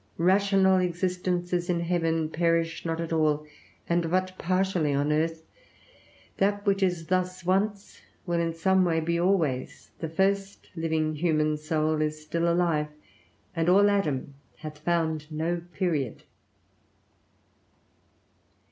Rational existences in heaven perish not at all, and but partially on earth; that which is thus once, will in some way be always; the first living human soul is still alive, and all Adam hath found no period.